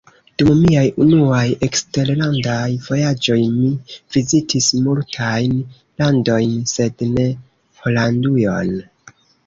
Dum miaj unuaj eksterlandaj vojaĝoj mi vizitis multajn landojn, sed ne Holandujon.